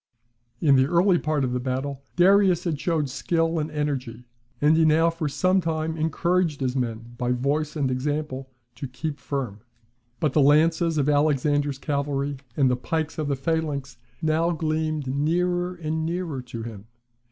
In the early part of the battle, Darius had showed skill and energy; and he now for some time encouraged his men, by voice and example, to keep firm. But the lances of Alexander's cavalry, and the pikes of the phalanx now gleamed nearer and nearer to him.